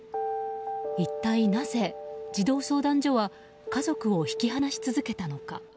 一体なぜ児童相談所は家族を引き離し続けたのか。